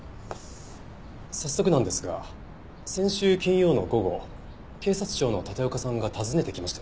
早速なんですが先週金曜の午後警察庁の立岡さんが訪ねてきましたよね？